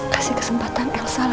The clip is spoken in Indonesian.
kasih kesempatan elsa lagi ma